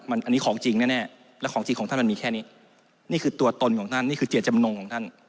อันนี้ของจริงแน่แน่และของจริงของท่านมันมีแค่นี้นี่คือตัวตนของท่านนี่คือเจตจำนงของท่าน